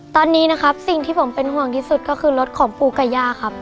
ตอนนี้นะครับสิ่งที่ผมเป็นห่วงที่สุดก็คือรถของปูกับย่าครับ